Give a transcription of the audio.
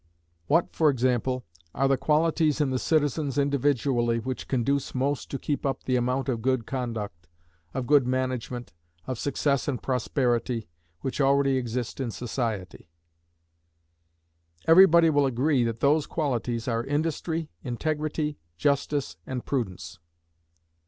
What, for example, are the qualities in the citizens individually which conduce most to keep up the amount of good conduct, of good management, of success and prosperity, which already exist in society? Every body will agree that those qualities are industry, integrity, justice, and prudence.